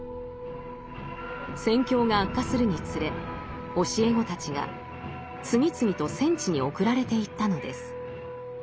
戦況が悪化するにつれ教え子たちが次々と戦地に送られていったのです。